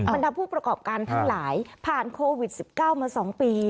บรรดาผู้ประกอบการทั้งหลายผ่านโควิด๑๙มา๒ปี